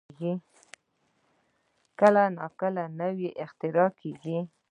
کله نا کله نوې اختراع کېږي.